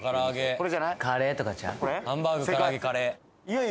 これ？